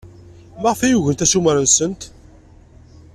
Maɣef ay ugint assumer-nsent?